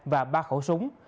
và ba khẩu súng